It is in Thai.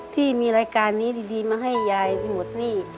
ที่มีรายการนี้ดีมาให้ยายหมดหนี้